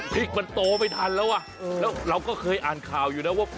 พริกมันโตไม่ทันแล้วอ่ะแล้วเราก็เคยอ่านข่าวอยู่นะว่า